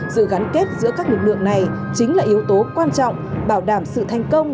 sự gắn kết giữa các lực lượng này chính là yếu tố quan trọng bảo đảm sự thành công